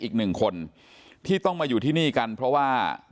ทีนี้ก็ต้องถามคนกลางหน่อยกันแล้วกัน